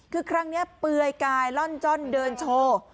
คือครั้งนี้เปลือยกายล่อนจ้อนเดินโชว์